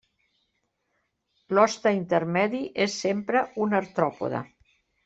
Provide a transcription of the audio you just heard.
L'hoste intermedi és sempre un artròpode.